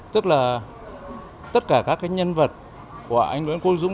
tức là tất cả các cái nhân vật của anh nguyễn quốc dũng